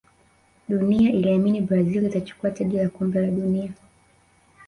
dunia iliamini brazil atachukua taji la kombe la dunia